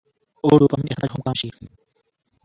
او ډوپامين اخراج هم کم شي -